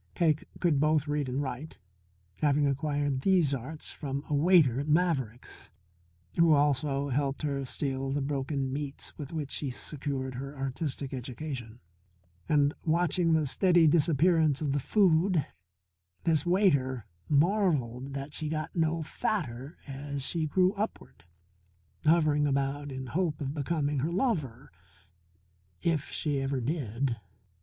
Cake could both read and write, having acquired these arts from a waiter at Maverick's, who also helped her steal the broken meats with which she secured her artistic education. And, watching the steady disappearance of the food, this waiter marvelled that she got no fatter as she grew upward, hovering about in hope of becoming her lover if she ever did.